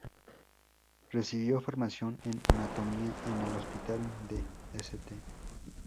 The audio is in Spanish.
Recibió formación en anatomía en el Hospital de St.